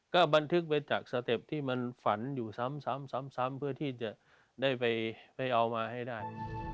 ก็บันทึกไปจากสเต็ปที่มันฝันอยู่ซ้ำเพื่อที่จะได้ไปเอามาให้ได้